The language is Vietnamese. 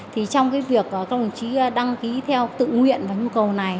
trong việc các đồng chí đăng ký theo tự nguyện và nhu cầu này